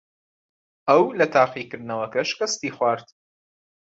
ئەو لە تاقیکردنەوەکە شکستی خوارد.